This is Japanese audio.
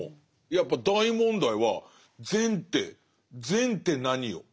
やっぱ大問題は善って善って何よ？